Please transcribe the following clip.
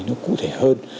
nó cụ thể hơn